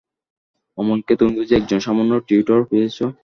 অমলকে তুমি বুঝি একজন সামান্য টিউটর পেয়েছ?